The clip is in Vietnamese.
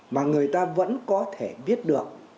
mà người ta vẫn có thể biết được